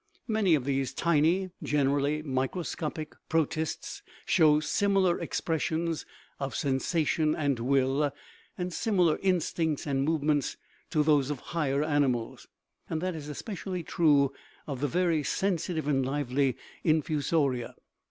Many of these tiny (generally microscopic) protists show similar expressions of sensation and will, and similar instincts and movements, to those of higher animals ; that is especially true of the very sensitive and lively infusoria.